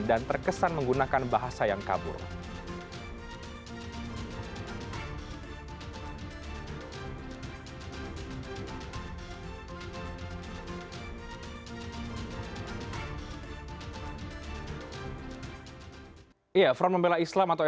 dan terkesan menggunakan bahasa yang kabur